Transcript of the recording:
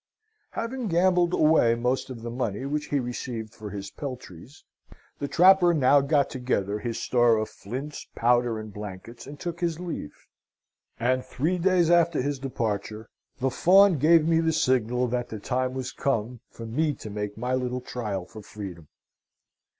"Having gambled away most of the money which he received for his peltries, the trapper now got together his store of flints, powder, and blankets, and took his leave. And, three days after his departure, the Fawn gave me the signal that the time was come for me to make my little trial for freedom.